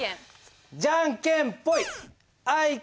じゃんけんぽい。